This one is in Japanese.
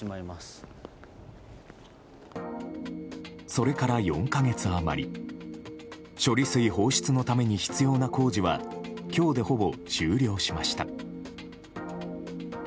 それから４か月余り処理水放出のために必要な工事は今日でほぼ終了しました。